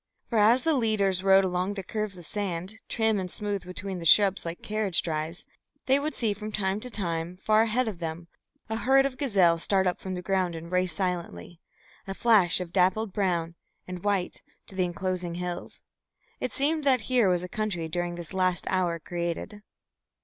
For as the leaders rode along the curves of sand, trim and smooth between the shrubs like carriage drives, they would see from time to time, far ahead of them, a herd of gazelle start up from the ground and race silently, a flash of dappled brown and white, to the enclosing hills. It seemed that here was a country during this last hour created.